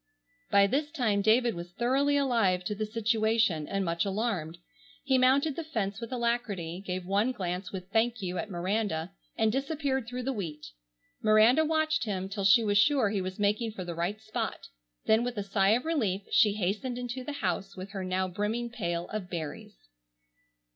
By this time David was thoroughly alive to the situation and much alarmed. He mounted the fence with alacrity, gave one glance with "thank you" at Miranda, and disappeared through the wheat, Miranda watched him till she was sure he was making for the right spot, then with a sigh of relief she hastened into the house with her now brimming pail of berries.